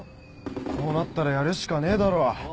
こうなったらやるしかねえだろ